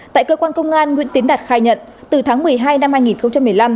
tại cơ quan công an nguyễn tiến đạt khai nhận từ tháng một mươi hai năm hai nghìn một mươi năm